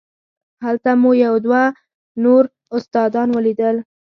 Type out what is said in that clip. هلته مو یو دوه نور استادان ولیدل.